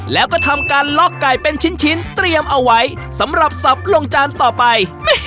แล้วก็ทำการล็อกไก่เป็นชิ้นเตรียมเอาไว้สำหรับสับลงจานต่อไป